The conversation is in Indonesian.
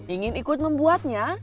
ingin ikut membuatnya